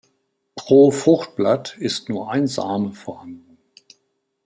Pro Fruchtblatt ist nur ein Same vorhanden.